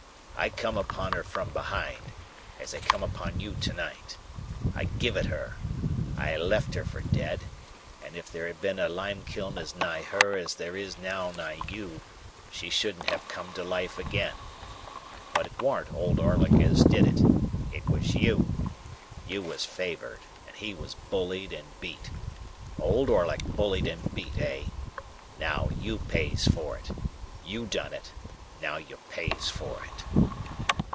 "I come upon her from behind, as I come upon you to night. I giv' it her! I left her for dead, and if there had been a limekiln as nigh her as there is now nigh you, she shouldn't have come to life again. But it warn't Old Orlick as did it; it was you. You was favoured, and he was bullied and beat. Old Orlick bullied and beat, eh? Now you pays for it. You done it; now you pays for it."